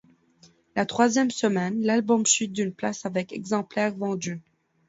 La troisième semaine, l'album chute d'une place avec exemplaires vendus.